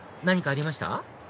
何かありました？